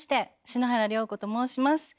篠原涼子と申します。